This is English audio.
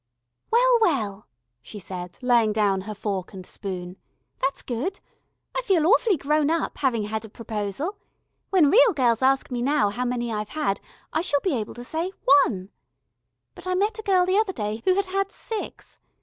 "Well, well," she said, laying down her fork and spoon, "that's good. I feel awfully grown up, having had a proposal. When real girls ask me now how many I've had, I shall be able to say One. But I met a girl the other day who had had six.